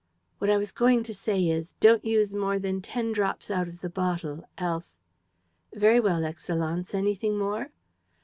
"What I was going to say is, don't use more than ten drops out of the bottle, else. ..." "Very well, Excellenz. Anything more?"